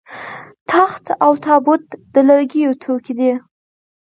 تخت او تابوت د لرګیو توکي دي